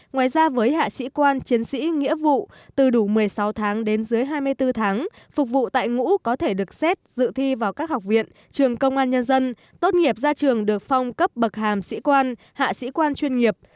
ngoài ra với hạ sĩ quan chiến sĩ nghĩa vụ từ đủ một mươi sáu tháng đến dưới hai mươi bốn tháng phục vụ tại ngũ có thể được xét dự thi vào các học viện trường công an nhân dân tốt nghiệp ra trường được phong cấp bậc hàm sĩ quan hạ sĩ quan chuyên nghiệp